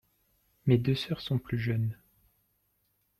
Mes deux sœurs sont plus jeunes.